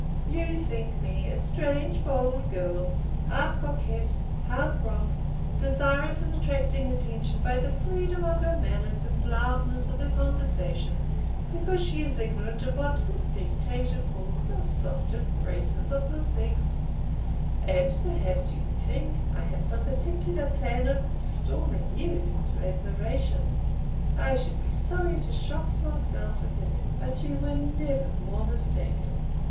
You think me a strange bold girl, half coquette, half romp; desirous of attracting attention by the freedom of her manners and loudness of her conversation, because she is ignorant of what the Spectator calls the softer graces of the sex; and perhaps you think I have some particular plan of storming you into admiration. I should be sorry to shock your self opinion, but you were never more mistaken.